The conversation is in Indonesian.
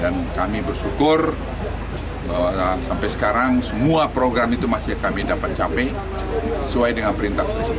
dan kami bersyukur sampai sekarang semua program itu masih kami dapat capai sesuai dengan perintah presiden